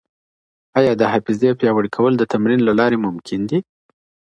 آیا د حافظې پیاوړي کول د تمرین له لاري ممکن دي؟